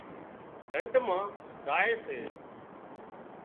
ڍنڍ مان زائي سي